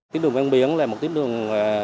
tỉnh đường ven biển là một tỉnh đường